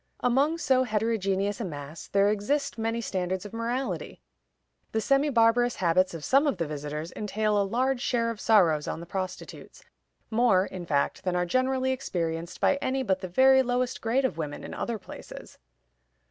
Among so heterogeneous a mass there exist many standards of morality. The semi barbarous habits of some of the visitors entail a large share of sorrows on the prostitutes; more, in fact, than are generally experienced by any but the very lowest grade of women in other places.